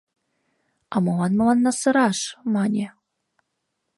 — А молан мыланна сыраш? — мане.